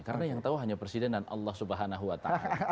karena yang tahu hanya presiden dan allah subhanahu wa ta'ala